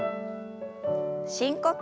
深呼吸。